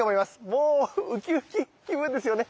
もうウキウキ気分ですよね。